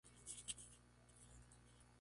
Eliot se suma a la ayuda del Cuadro.